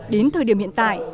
đến thời điểm hiện tại